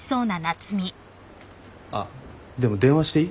あっでも電話していい？